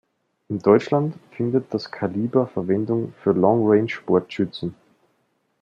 In Deutschland findet das Kaliber Verwendung für Long-Range-Sportschützen.